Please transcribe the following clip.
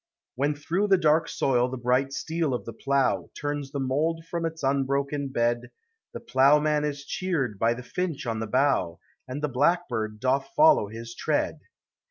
When through the dark soil the bright steel of the plough Turns the mould from its unbroken bed The ploughman is cheered by the finch on the bough, And the blackbird doth follow his tread.